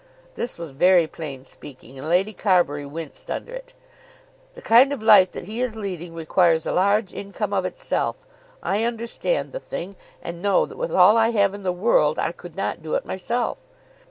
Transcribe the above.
This was very plain speaking, and Lady Carbury winced under it. "The kind of life that he is leading requires a large income of itself. I understand the thing, and know that with all I have in the world I could not do it myself."